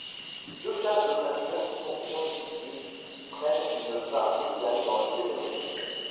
Deux classes de facteurs sont identifiés qui prennent une part égale dans le phénomène.